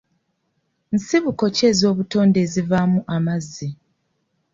Nsibuko ki ez'obutonde ezivaamu amazzi?